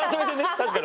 確かに。